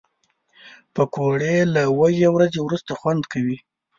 پکورې له وږې ورځې وروسته خوند کوي